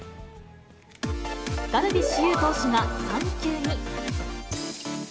ダルビッシュ有投手が産休に。